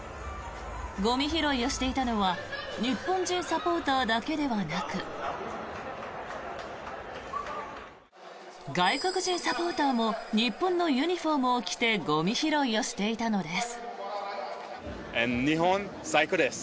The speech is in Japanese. ゴミ拾いをしていたのは日本人サポーターだけではなく外国人サポーターも日本のユニホームを着てゴミ拾いをしていたのです。